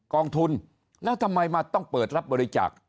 กองทุนแล้วทำไมมาต้องเปิดรับบริจาค